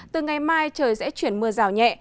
từ ngày mai trời sẽ chuyển mưa rào nhẹ